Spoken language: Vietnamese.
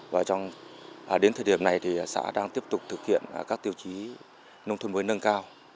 và đến thời điểm này thì xã đang tiếp tục thực hiện các tiêu chí nông thôn mới nâng cao